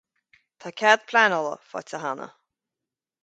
Tá cead pleanála faighte cheana.